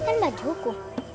ini kan bajuku